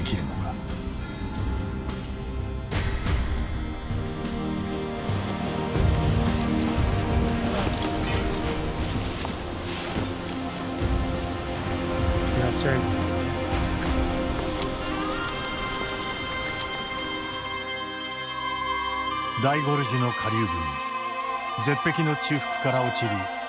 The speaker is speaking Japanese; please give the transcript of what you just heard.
大ゴルジュの下流部に絶壁の中腹から落ちる巨大な滝がある。